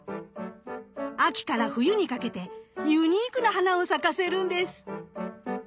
秋から冬にかけてユニークな花を咲かせるんです。